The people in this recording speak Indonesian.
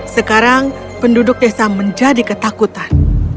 sekarang penduduk desa menjadi ketakutan